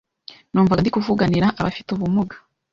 numvaga ndi kuvuganira abafite ubumuga